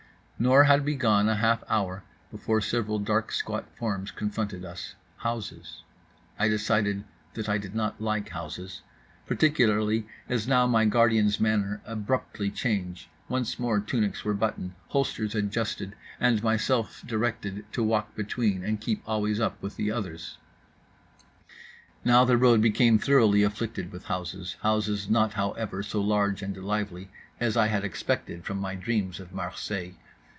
Nor had we gone a half hour before several dark squat forms confronted us: houses. I decided that I did not like houses—particularly as now my guardian's manner abruptly changed; once more tunics were buttoned, holsters adjusted, and myself directed to walk between and keep always up with the others. Now the road became thoroughly afflicted with houses, houses not, however, so large and lively as I had expected from my dreams of Marseilles.